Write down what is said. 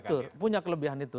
betul punya kelebihan itu